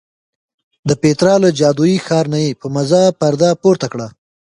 د پیترا له جادویي ښار نه یې په مزه پرده پورته کړه.